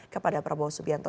kepada prabowo subianto